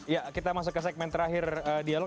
ya kita masuk ke segmen terakhir dialog